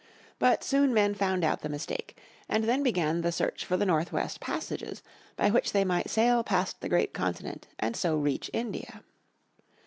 But soon men found out the mistake, and then began the search for the North West Passages by which they might sail past the great Continent, and so reach India.